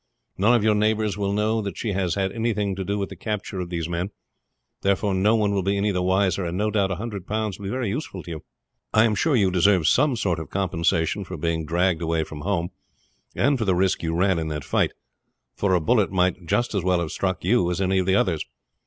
None of your neighbors will know that she has had anything to do with the capture of these men, therefore no one will be any the wiser, and no doubt a hundred pounds will be very useful to you. I am sure you deserve some sort of compensation for being dragged away from home, and for the risk you ran in that fight; for a bullet might just as well have struck you as any of the others.